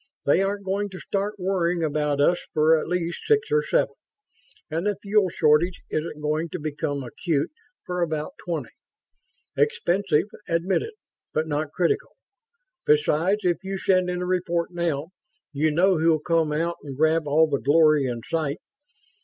They aren't going to start worrying about us for at least six or seven; and the fuel shortage isn't going to become acute for about twenty. Expensive, admitted, but not critical. Besides, if you send in a report now, you know who'll come out and grab all the glory in sight.